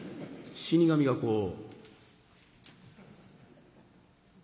死神がこう。